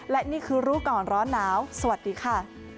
และนี่คือรู้ก่อนร้อนหนาวสวัสดีค่ะ